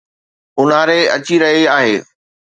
اونهاري اچي رهي آهي